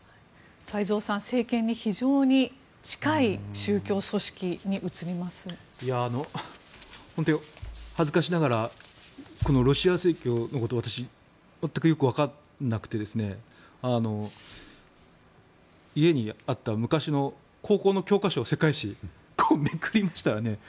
太蔵さん政権に非常に近い本当に恥ずかしながらこのロシア正教のことを全くよくわからなくて家にあった昔の高校の教科書世界史をめくりましたらね